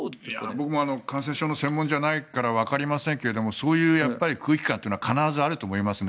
僕も感染症の専門じゃないからわかりませんがそういう空気感は必ずあると思いますね。